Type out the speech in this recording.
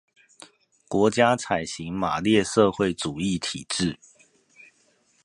國家採行馬列社會主義體制